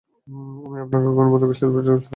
আমি আপনাকে কখনো বন্দুকের শেফটি লক ব্যবহার করতে দেখিনি।